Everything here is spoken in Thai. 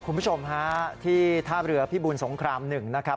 คุณผู้ชมฮะที่ท่าเรือพิบูลสงคราม๑นะครับ